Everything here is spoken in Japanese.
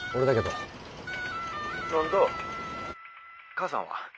☎母さんは？